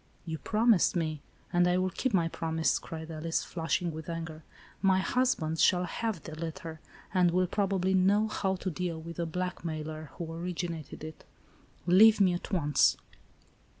"You promised me —" "And I will keep my promise," cried Alice, flushing with anger. " My husband shall have ALICE ; OR, THE WAGES OF SIN. 99 the letter, and will, probably, know how to deal with the blackmailer who originated it. Leave me at once!"